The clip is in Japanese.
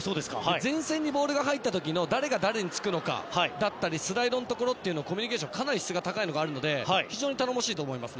前線にボールが入った時の誰が誰につくのかやスライドのところのコミュニケーションはかなり質が高いところがあるので非常に頼もしいと思います。